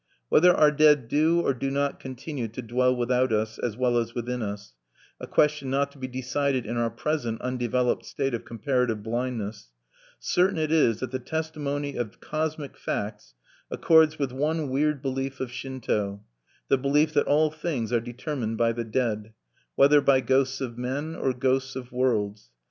Whether our dead do or do not continue to dwell without us as well as within us, a question not to be decided in our present undeveloped state of comparative blindness, certain it is that the testimony of cosmic facts accords with one weird belief of Shinto: the belief that all things are determined by the dead, whether by ghosts of men or ghosts of worlds.